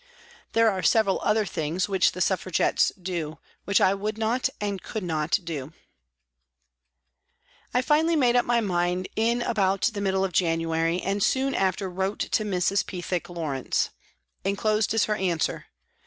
There are several other things which the Suffragettes do, which I would not and could not do. P. D 34 PRISONS AND PRISONERS " I finally made up my mind in about the middle of January, and soon after wrote to Mrs. Pethick Lawrence. Enclosed is her answer.